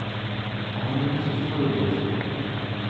Warum bin ich so fröhlich?